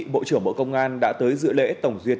bộ trưởng bộ công an đã tới dự lễ tổng duyệt